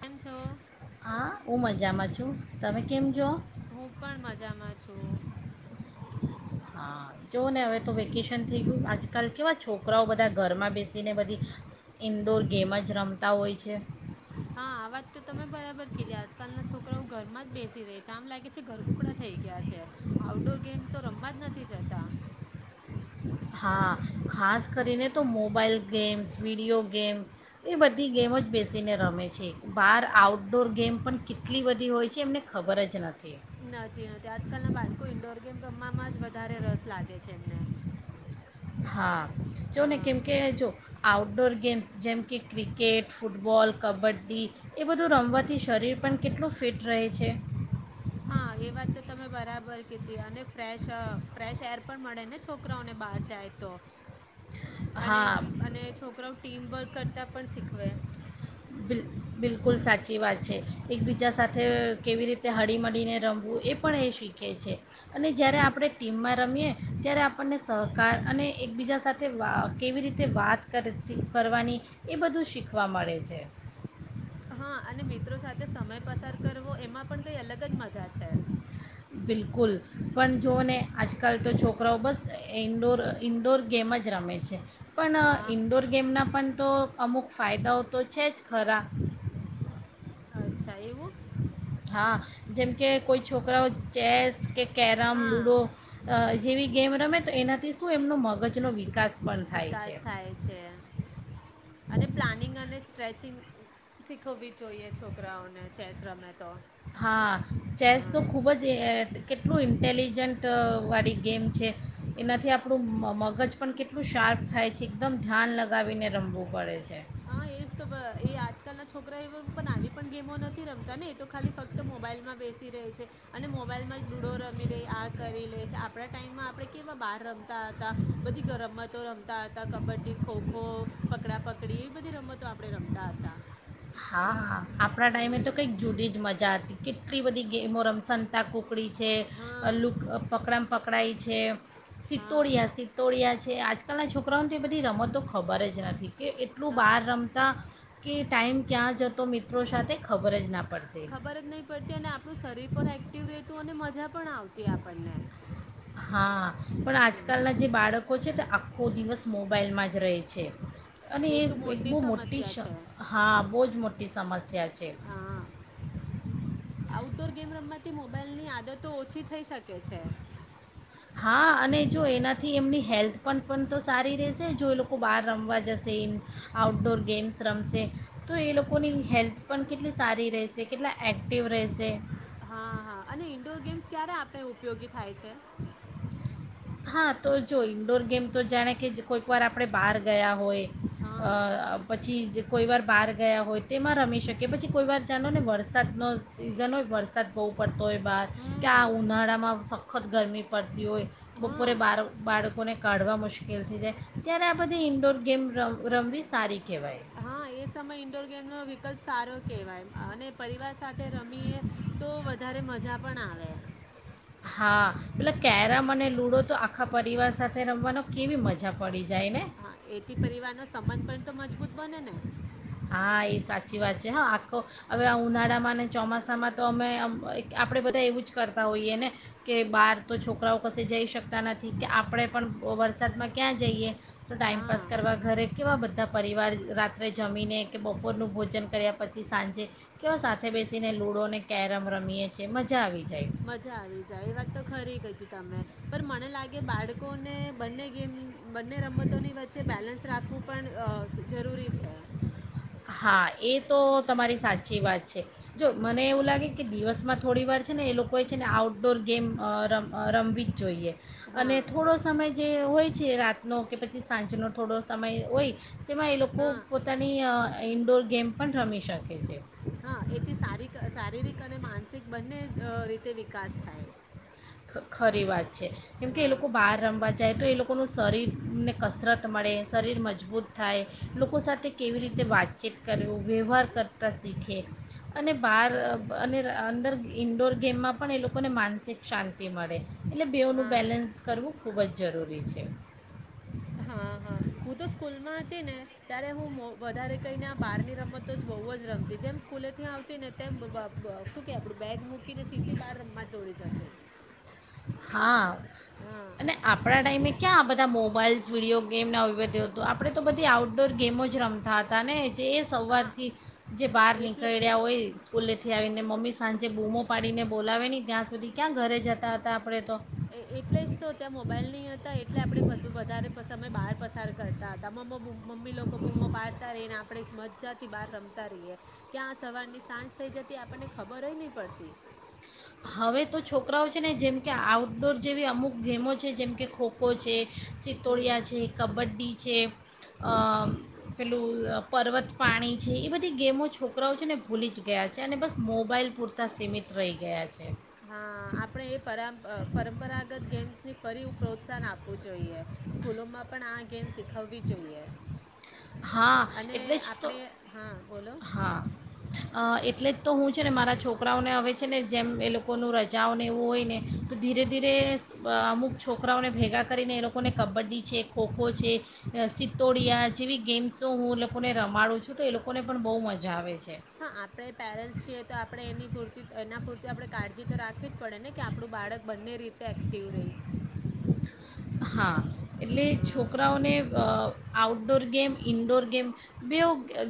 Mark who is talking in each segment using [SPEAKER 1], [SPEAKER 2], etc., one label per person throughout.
[SPEAKER 1] એ છો.
[SPEAKER 2] હા હું મજામાં છું તમે કેમ છો
[SPEAKER 1] હું પણ મજામાં છું.
[SPEAKER 2] હા જોઓ ને હવે તો વેકેશન થઈ ગયું આજકાલ કેવા છોકરાઓ બધા ઘરમાં બેસીને બધી ઇન્ડોર ગેમ જ રમતા હોય છે.
[SPEAKER 1] હા આ વાત તો તમે બરાબર કીધી આજકાલના છોકરાઓ ઘરમાં જ બેસી રહી છે આમ લાગે છે ઘરગુકડા થઈ ગયા છે આઉટડોર ગેમ તો રમવા જ નથી જતા.
[SPEAKER 2] હા ખાસ કરીને તો મોબાઈલ ગેમ્સ વિડીયો ગેમ્ એ બધી ગેમો જ બેસીને રમે છે. બહાર
[SPEAKER 1] હા
[SPEAKER 2] આઉટડોર ગેમ પણ કેટલી બધી હોય. છે એમને ખબર જ નથી
[SPEAKER 1] નથી, નથી આજકાલ ના બાળકો ઇન્ડોર ગેમ રમવામાં જ વધારે રસ લાગે છે એમને.
[SPEAKER 2] હા, જો ને
[SPEAKER 1] હા
[SPEAKER 2] કેમકે જો આઉટડોર ગેમ્સ જેમ કે ક્રિકેટ ફૂટબોલ કબડ્ડી એ બધું રમવાથી શરીર પણ કેટલું ફિટ રહે છે.
[SPEAKER 1] હા, એ વાત તો તમે બરાબર કીધી અને ફ્રેશ, ફ્રેશ એર પણ મળે ને છોકરાઓને બહાર જાય તો? અને
[SPEAKER 2] હા
[SPEAKER 1] અને છોકરાઓ ટીમ વર્ક કરતા પણ શીખ ખવે [inaudible]
[SPEAKER 2] બિલ બિલકુલ સાચી વાત છે એકબીજા સાથે કેવી રીતે હળીમળીને રમવું એ પણ એ શીખે છે અને જ્યારે આપણે ટીમમાં રમીએ ત્યારે આપણને સહકાર અને એકબીજા સાથે વા કેવી રીતે વાત કરતી કરવાની એ બધું શીખવા મળે છે.
[SPEAKER 1] હા, અને મિત્રો સાથે સમય પસાર કરવો એમાં પણ કઈ અલગ જ મજા છે.
[SPEAKER 2] બિલકુલ પણ જોુઓ ને આજકાલ તો છોકરાઓ બસ ઇન્ડોર, ઇન્ડોર ગેમ જ રમે છે. પણ,
[SPEAKER 1] હા
[SPEAKER 2] ઇન્ડોર ગેમના પણ તો અમુક ફાયદાઓ તો છે જ ખરા.
[SPEAKER 1] અચ્છા એવું.
[SPEAKER 2] હા, જેમકે કોઈ છોકરાઓ ચેસ કે કેરમ,
[SPEAKER 1] હા
[SPEAKER 2] લૂડો જેવી ગેમ રમે તો એનાથી શું એમનો મગજનોો વિકાસ પણ થાય છે
[SPEAKER 1] વિકાસ થાય છે અને પ્લાનિંગ અને સ્ટ્રેચિંગ શીખવવી જોઈએ છોકરાઓને ચેસ રમે. તો
[SPEAKER 2] હા, ચેસ તો ખૂબ જ કેટલું ઇન્ટેલિજન્ટ વાળી ગેમ છે. એનાથી આપણું મગજ પણ કેટલું શાંત થાય છે એકદમ ધ્યાન લગાવીને રમવું પડે છે.
[SPEAKER 1] હા, એ તો એ આઠ નાના છોકરાઓ નાની પણ ગેમો નથી રમતા ને એતો ખાલી ફક્ત મોબાઈલમા બેસી રહે છે અને મોબાઈલ મા લુડો રમી લઈએ આ કરે લે છે. આપના ટાઈમ મા આપણે કેવાં બહાર રમતા હતા અને રમતો રમતા હતા કબડી, ખોખો, પકડા પકડી. ને, એ બધી રમતો રમતા હતા.
[SPEAKER 2] હા, આપણા ટાઈમે તો કંઈક
[SPEAKER 1] હમ
[SPEAKER 2] જુદી જ મજા હતી. કેટલી બધી ગેમો રમ સંતાક પકડી છે.
[SPEAKER 1] હા
[SPEAKER 2] અલુ પકડા પ પકડાાય છે.
[SPEAKER 1] હા
[SPEAKER 2] સિત્તરિયા, સિત્તોરિયા છે આજ આજકાલ ના છોકરાઓને તે બધી રમતો તો ખબર જ નથી. કે, કેટલું
[SPEAKER 1] હા
[SPEAKER 2] બહાર રમતા. કે ટાઈમ ક્યાં જતો મિત્રો સાથે ખબર જ ના પડતી.
[SPEAKER 1] ખબર જ તો મને મજા પણ આવતી આપણને.
[SPEAKER 2] હા, પણ
[SPEAKER 1] હા
[SPEAKER 2] આજકાલના જે બાળકો છે. આખો દિવસ મોબાાઈલમાં જ રહે છે. અને એ
[SPEAKER 1] તો
[SPEAKER 2] એક બહુ મોટી સ
[SPEAKER 1] સમસ્યા છે
[SPEAKER 2] હા બહુ જ મોટી સમસ્યા છે
[SPEAKER 1] હા આઉટડોર ગેમ રમવાથી મોબાઈલની આદતો ઓછી થઈ શકે છે
[SPEAKER 2] હા અને જો એનાથી એમની હેલ્થ પણ પણ તો સારી રહેશે જો એ લોકો બહાર રમવા જશે ઇન આઉટડોર ગેમ્સ રમશે તો એ લોકોની હેલ્થ પણ કેટલી સારી રહેશે કેટલા એક્ટિવ રહેશે
[SPEAKER 1] હા હા અને ઇન્ડોર ગેમ્સ ક્યારે આપણે ઉપયોગી થાય છે
[SPEAKER 2] [inaudible] હા તો જો ઇન્ડોર ગેમ તો જાણે કે કોઈક વાર આપણે બહાર ગયા
[SPEAKER 1] હા
[SPEAKER 2] હોય અ પછી કોઈ વાર બહાર ગયા હોય તેમાં રમી શકે પછી કોઈ વાર જાણો ને વરસાદ નો સી સિઝન હોય વરસાદ બહુ પડ પડતો હોયે બહાર કે
[SPEAKER 1] હમ
[SPEAKER 2] આ ઉનાળામાં સખદ ગરમી પડતી હોય બપોરે
[SPEAKER 1] હા
[SPEAKER 2] બાારો બાડ લોકોને કાઢવા મુશ્કેલ થય જાય ત્યારે આ બધી ઇન્ડોર ગેમ રમ રમવી સારી કહેવાય
[SPEAKER 1] હા એ સમય ઇન્ડોર ગેમ નો વિકલ્પ સારો કહેવાય અને પરિવાર સાથે રમીએ તો વધારે મજા પણ આવે
[SPEAKER 2] હા એટલે કેરમ
[SPEAKER 1] હા
[SPEAKER 2] અને લુડો તો આખા પરિવાર સાથે રમવાનો કેવી મજા પડી જાય ને
[SPEAKER 1] હા એથી પરિવાર નો સંબંધ પણ તો મજબૂત બને ને
[SPEAKER 2] હા એ સાચી વાત છે હા આખો હવે ઉનાળામાં ને ચોમાસામાં તો અમે આપણે બધા એવું જ કરતા હોઈએ ને કે બહાર તો છોકરાઓ કશે જઈ શકતા નથી કે આપણે પણ વરસાદમાં ક્યાં જઈએ તો ટાઈમપાસ
[SPEAKER 1] હા
[SPEAKER 2] કરવા ઘરે કેવા બધા પરિવાર રાત્રે જમીને કે બપોરનું ભોજન કર્યા પછી સાંજે કેવા સાથે બેસીને લૂડો અનેને કેરમ રમીએ છીએ મજા આવી જાય
[SPEAKER 1] મજા આવી જાય એ વાત તો ખરી કીધી તમે પણ મને લાગે બાળકોને બંને ગેમ બંને રમતોની વચ્ચે બેલેન્સ રાખવું પણ અ જરૂરી છે
[SPEAKER 2] હા એ તો તમારી સાચી વાત છે જો મને એવું લાગે કે દિવસમાં થોડી વાર છે ને એ લોકોએ છે ને આઉટડોર ગેમ અ રમ રમવી જ જોઈએ અને
[SPEAKER 1] હા
[SPEAKER 2] થોડો સમય જે હોય છે રાત નો કે પછી સાંજનો થોડો સમય હોય તેમાં એ લોકો
[SPEAKER 1] હા
[SPEAKER 2] પોતાની ઇન્ડોર ગેમ પણ રમી શકે છે.
[SPEAKER 1] હા એથી સારી શારીરિક અને માનસિક બંને રીતે વિકાસ થાય.
[SPEAKER 2] ખ ખરી વાત. છે કેમકે એ લોકો
[SPEAKER 1] હા
[SPEAKER 2] બહાર રમવા જાય તો એ લોકો લોકોનું શરીરને કસરત મળે શરીર મજબૂત થાય લોકો સાથે કેવી રીતે વાતચીત કરવી વ્યવહાર કરતાં શીખે અને બહાર અને અંદર ઇન્ડોર ગેમમાં પણ એ લોકોને માનસિક શાંતિ તી મળે એટલે બેઓનું
[SPEAKER 1] હા
[SPEAKER 2] બેલેન્સ કરવું ખૂબ જ જરૂરી છે.
[SPEAKER 1] હા હા હું તો સ્કૂલમાં હતી ને ત્યારે હું વધારે કહીને આ બારની રમતો જ બહુ જ રમતી જેમ સ્કૂલે થી આવતી ને તેમ શું કે આપડું બેગ કેને સીધી બાર દોડી જતે.
[SPEAKER 2] હા અને આપણા ટાઈમે ક્યાં આ બધા મોબાઈલ્સ વિડીયો ગેમને અવત હતું આપણે તો બધી આઉટડોર ગેમો જ રમતા હતા ને. જે
[SPEAKER 1] હા
[SPEAKER 2] સવારથી જે બહાર
[SPEAKER 1] એટલે
[SPEAKER 2] નીકળ્યા હોય સ્કૂલે થી આવીને મમ્મી સાંજે બૂમો પાડીને બોલાવે નહી ત્યાં સુધી ક્યાં ઘરે જતા હતા. આપણે તો
[SPEAKER 1] એટલે જ તો ત્યાં મોબાઈલ નહી હતા એટલે આપણે બધું વધારે મે બહાર પસાર કરતા હતા મમ્મ મમ્મી લોકો બૂમો પાડતા રહી ને આપણે મજા થી બહાર રમતા રહીએ ક્યાં સવાર ની સાંજ થઈ જતી આપણને ખબર જ નહી પડતી.
[SPEAKER 2] હવે તો છોકરાઓ છે ને જેમકે આઉટડોર જેવી અમુક ગેમો છે જેમકે ખોખો છે.
[SPEAKER 1] હમ,
[SPEAKER 2] સિત્તોડિયા છે કબડ્ડી છે. અ પેલું પર્વત પાણી છે એ બધી ગેમો છોકરાઓ છે ને ભૂલી જ ગયા છે અને બસ મોબાઈલ પૂરતાં સીમિત રહી ગયા છે.
[SPEAKER 1] હા આપણે એ પરંપરાગત ગેમ્સ ની ફરી પ્રોત્સાહન આપવું જોઈએ સ્કૂલોમાં પણ આ ગેમ શીખવવી જોઈએ
[SPEAKER 2] હા
[SPEAKER 1] અને
[SPEAKER 2] એટલે જ તો
[SPEAKER 1] આપણે હા બોલો
[SPEAKER 2] હા એટલે જ તો હું છે ને મારા છોકરાઓને હવે છે ને જેમ એ લોકોનું રજાઓને એવું હોય ને તો ધીરે ધીરે અમુક છોકરાઓને ભેગા કરીને એ લોકોને કબડ્ડી છે ખોખો છે સિત્તોડિયા જેવી ગેમ્સો હું એ લોકોને રમાડું છું તો એ લોકોને પણ બહુ મજા આવે છે.
[SPEAKER 1] હા આપણે પેરેન્ટ્સ છીએ તો ણે એની પૂ એના પૂરતી આપણે કાળજી તો રાખવી જ પડે ને કે આપણું બાળક બંને રીતે એક્ટિવ રેય.
[SPEAKER 2] હા. એટલે છોકરાઓને અ આઉટડોર ગેમ ઇન્ડોર ગેમ બેઉ અ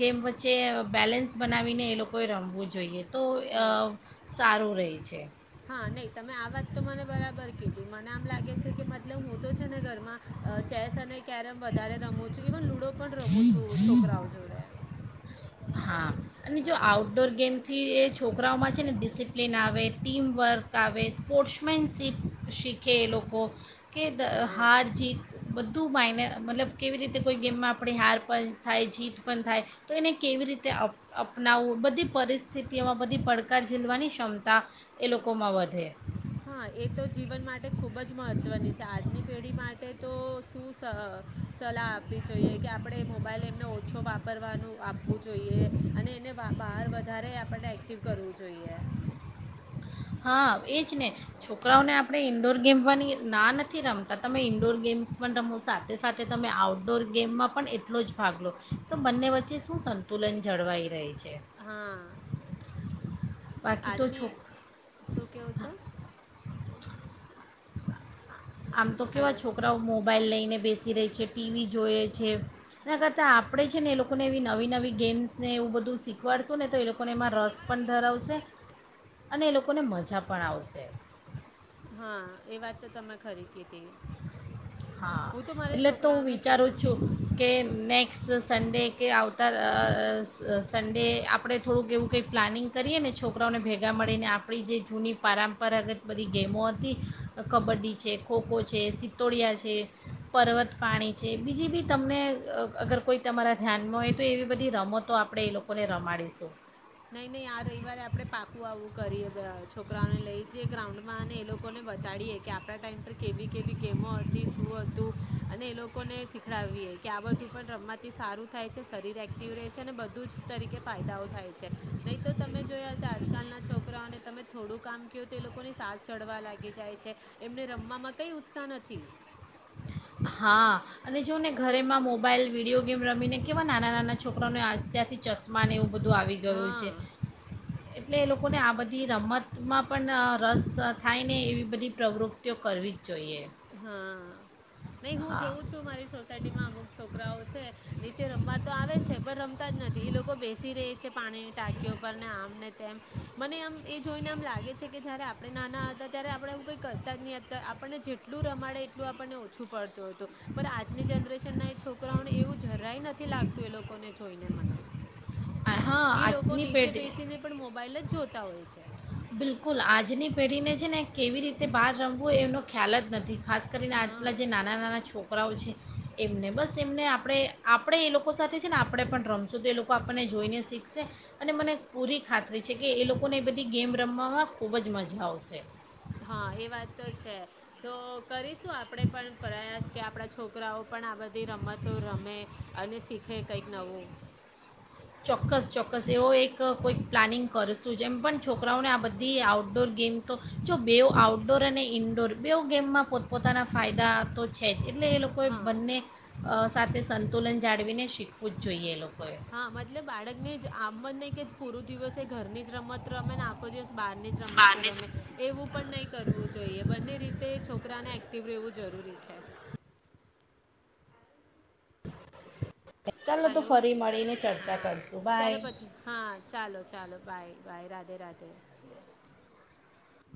[SPEAKER 2] ગેમ વચ્ચે બેલેન્સ બનાવીને એ લોકોએ રમવું જોઈએ. તો અ,
[SPEAKER 1] નહી
[SPEAKER 2] સારું રહે છે
[SPEAKER 1] હા નહી તમે આ વાત તો મને બરાબર કીધી મને આમ લાગે મલબ હું તો છે ને ઘર ચેસ અને ક્યારેમ વધારે રમ છું. [unintelligible] પણ રમું છું છોકરાઓ જોડે.
[SPEAKER 2] હા અને જો
[SPEAKER 1] હા
[SPEAKER 2] આઉટડોર ગેમથી એજ છોકરાઓમાં છે ને ડિસિપ્લિન આવે ટીમવર્ક આવે સ્પોર્ટ્સમેનશીપ શીખે એ લોકો કે દ
[SPEAKER 1] હા
[SPEAKER 2] હાર જીત બધું માઇને મતલબ કેવી રીતે કોઈ ગેમમાં આપણી હાર પણ થાય જીત પણ થાય તો એને કેવી રીતે તે અ અપનાવવું બધી પરિસ્થિતિઓમાં બધી પડકાર ઝીલવાની ક્ષમતા એ લોકોમાં વધે
[SPEAKER 1] હા એ તો જીવન માટે ખૂબ જ મહત્ત્વની છે આજની પેઢી માટે તો શું સહ સલાહ આપવી જોઈએ કે આપણે મોબાઈલ એમને ઓછો વાપરવાનું આપવું જોઈએ અને એને બહાર વધારે આપણને એક્ટિવ કરવું જોઈએ
[SPEAKER 2] હા એ જ ને છોકરાઓને આપણે ઇન્ડોર ગેમવાની ના નથી રમતા તમે ઈન્ડોર ગેમ્સ પણ રમો સાથે સાથે તમે આઉટડોર ગેમમાં પણ એટલો જ ભાગ લો તો બંને વચ્ચે શું સંતુલન જળવાઈ રહે છે
[SPEAKER 1] હા.
[SPEAKER 2] બાકી તો
[SPEAKER 1] આજની,
[SPEAKER 2] છોક
[SPEAKER 1] શું કેવો છો?
[SPEAKER 2] [inaudible] આમ તો કેવા
[SPEAKER 1] હલો
[SPEAKER 2] છોકરાઓ મોબાઈલ લઈને બેસી રહી છે, ટીવી જોઈએ છે એના કરતાં આપણે છે ને એ લોકોને એવી નવી નવી ગેમ્સને એવું બધું શીખવાડશું ને તો એ લોકોને એમાં રસ પણ ધરાવશે અને એ લોકોને મજા પણ આવશે.
[SPEAKER 1] હા, એ વાત તો તમે ખરી કીધી.
[SPEAKER 2] હા,
[SPEAKER 1] હું તો મારે
[SPEAKER 2] એટલે તો હું
[SPEAKER 1] છોકરાઓને કે
[SPEAKER 2] વિચારું છું કે ન સન્ડે કે આવતા અ અ સન્ડે આપણે થોડુંક એવું કંઈક પ્લાનિંગ કરીએ ને છોકરાઓને ભેગા મળીને આપણી જે જૂની પરંપરાગત બધી ગેમો હતી કબડ્ડી છે, ખોખો છે, સિત્તોડિયા છે. છે પર્વત પાણી છે બીજી બી તમને અ અગર કોઈ તમારા ધ્યાનમાં હોય તો એવી બધી રમતો આપણે એ લોકોને રમાડીશું.
[SPEAKER 1] નય નય આ રવિવારે આપણે પાકું આવું કરીએ છોકરાઓને લઈ જઈએ ગ્રાઉન્ડમાં અને એ લોકોને બતાડીએ કે આપણા ટાઈમ પર કેવી કેવી ગેમો હતી શું હતું અને એ લોકોને શીખડાવીએ કે આ બધું પણ રમવાથી સારું થાય છે શરીર એક્ટિવ રહે છે અને બધું જ તરીકે ફાયદાઓ થાય છે. નય તો તમે જોયા હશે આજકાલના છોકરાઓને તમે થોડું કામ કેવોતો એ લોકોની સાસ ચડવા લાગી જાય છે એમને રમવામાં કઈ ઉત્સાહ નથી.
[SPEAKER 2] હા અને જોને ઘરેમાં મોબાઈલ, વિડીયો ગેમ રમીને કેવા નાના નાના છોકરાઓને અત્યારથી ચશ્માને એવુ બધું આવી ગયું
[SPEAKER 1] હા
[SPEAKER 2] છે. એટલે એ લોકોને આ બધી રમતમાં પણ અ રસ થાય ને એવી બધી પ્રવૃત્તિઓ કરવી જોઈએ
[SPEAKER 1] હા. અને હું
[SPEAKER 2] હા
[SPEAKER 1] જોઉં છું મારી સોસાયટી માં અમુક છોકરા છે નીચે રમવા તો આવે છે પણ રમતા જ નથી એ લોકો બેસી રહે છે પાણીની ટાંકીઓ પર ને આમ ને તેમ મને એમ એ જોઈને આમ લાગે છે કે જયારે આપણે નાના હતા ત્યારે આપણે એવુ કઈ કરતા જ નહી હતા આપણને જે રમાડે એટલું આપણને ઓછું પડતું. હતો પણ આજની જનરેશન છોકરાઓને એવું જરાય નથી લાગતું એ લોકોને જોઈને મને.
[SPEAKER 2] આ- હા
[SPEAKER 1] ઈ લોકો
[SPEAKER 2] આજની
[SPEAKER 1] નીચે
[SPEAKER 2] પેઢી
[SPEAKER 1] બેસીને પણ મોબાઈલ જ જોતા હોય છે.
[SPEAKER 2] બિલકુલ, આજની પેઢીને છે ને કેવી રીતે બહાર રમવું એમનો ખ્યાલ જ નથી. ખાસ કરીને આટલા
[SPEAKER 1] હા
[SPEAKER 2] જે નાના નાના છોક છોકરાઓ છે એમને બસ એમને આપણે આપણે એ લોકો સાથે છે ને આપણે પણ રમશું તો એ લોકો આપણને જોઈને શીખશે અને મને પૂરી ખાતરી છે કે એ લોકોને એ બધી ગેમ રમવામાં ખૂબ જ મજા આવશે.
[SPEAKER 1] હા, એ વાત તો છે તો કરીશું આપણે પણ પ્રયાસ કે આપણા છોકરાઓ. પણ આ બધી રમતો રમે અને શીખે કંઈક નવું.
[SPEAKER 2] ચોક્કસ ચોક્કસ એવો એક કોઈક પ્લાનિંગ કરશું જેમ પણ છોકરાઓને આ બધી આઉટડોર ગેમ તો જો બે આઉટડોર અને ઈન્ડોર બે ગેમમાં પોતપોતાના ફાયદા તો છે જ. એટલે એ લોકોએ
[SPEAKER 1] હા
[SPEAKER 2] બંને અ સાથે સંતુલન જાળવીને શીખવું જ જોઈએ એ લોકોએ.
[SPEAKER 1] હા મતલબ બાળક ને જ આમજ નય કે પૂરું દિવસે ઘરની જ રમત રમે ને આ દિવસ બહારની જ રમતો
[SPEAKER 2] બહારની
[SPEAKER 1] રમે એવું પણ નહીં કરવું જોઈએ બંને રીતે છોક છોકરાને એક્ટિવ રહેવું જરૂરી છે.
[SPEAKER 2] ચાલો તો
[SPEAKER 1] હલો
[SPEAKER 2] ફરી મળીને ચર્ચા
[SPEAKER 1] હા
[SPEAKER 2] કરશું
[SPEAKER 1] ચાલો
[SPEAKER 2] બાય
[SPEAKER 1] પછી હા ચાલો ચાલો બાય બાય રાધે રાધે